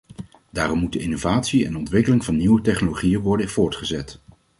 Daarom moet de innovatie en ontwikkeling van nieuwe technologieën worden voortgezet.